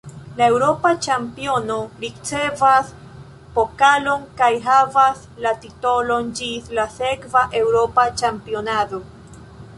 La eŭropa ĉampiono ricevas pokalon kaj havas la titolon ĝis la sekva eŭropa ĉampionado.